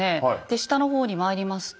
下の方にまいりますと